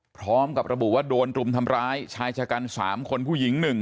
พร้อมกับระบุว่าโดนรุมทำร้ายชายชะกัน๓คนผู้หญิง๑